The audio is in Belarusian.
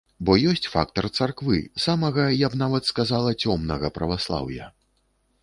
Бо ёсць фактар царквы, самага, я б нават сказала, цёмнага праваслаўя.